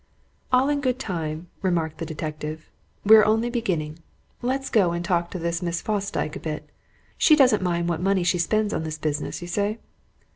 "All in good time," remarked the detective. "We're only beginning. Let's go and talk to this Miss Fosdyke a bit. She doesn't mind what money she spends on this business, you say?"